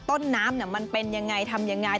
ต้นน้ำมันเป็นอย่างไรทำอย่างไร